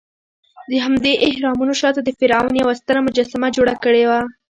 دهمدې اهرامونو شاته د فرعون یوه ستره مجسمه جوړه کړې وه.